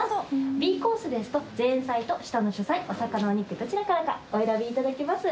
Ｂコースですと前菜と下の主菜お魚お肉どちらからかお選びいただけます。